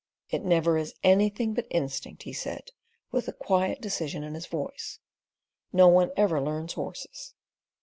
"It never is anything but instinct," he said, with quiet decision in his voice. "No one ever learns horses."